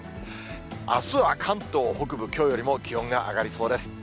あすは関東北部、きょうよりも気温が上がりそうです。